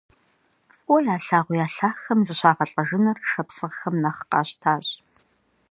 ФӀыуэ ялъагъу я лъахэм зыщагъэлӀэжыныр шапсыгъхэми нэхъ къащтащ.